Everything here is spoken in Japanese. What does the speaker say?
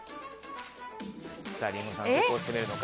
リンゴさんはどこを攻めるのか。